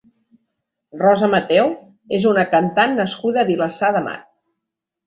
Rosa Mateu és una cantant nascuda a Vilassar de Mar.